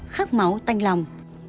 khắc máu tanh lòng